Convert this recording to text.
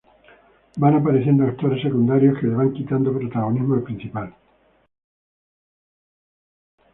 Van apareciendo actores secundarios que le van quitando protagonismo al principal.